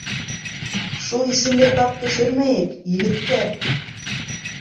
Шул исемгә тап төшөрмәйек, егеттәр!